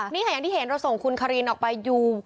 นี่ค่ะอย่างที่เห็นเราส่งคุณคารินออกไปอยู่